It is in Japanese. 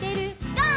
「ゴー！